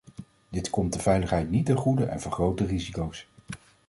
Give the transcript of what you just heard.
Dit komt de veiligheid niet ten goede en vergroot de risico's.